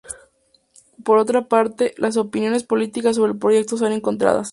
Por otra parte, las opiniones políticas sobre el proyecto son encontradas.